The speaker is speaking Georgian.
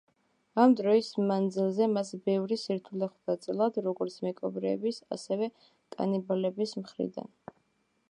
ამ დროის მანძილზე მას ბევრი სირთულე ხვდა წილად, როგორც მეკობრეების, ასევე კანიბალების მხრიდან.